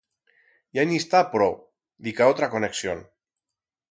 Ya en i'stá pro, dica otra connexión.